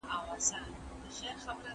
په ټولنه کي ګډوډي نه ده.